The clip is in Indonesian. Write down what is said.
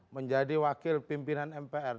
menjadi wakil pimpinan mpr